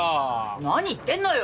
何言ってんのよ！